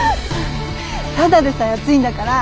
ただでさえ暑いんだから！